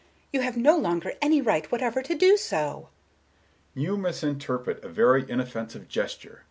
You have no longer any right whatever to do so." Mr. Richards: "You misinterpret a very inoffensive gesture.